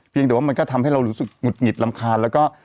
แต่ว่ามันก็ทำให้เรารู้สึกหงุดหงิดรำคาญแล้วก็